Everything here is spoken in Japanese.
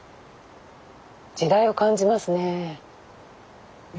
時代を感じますね。